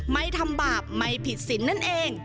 ไม่ทำบาปไม่ผิดสินนั่นเอง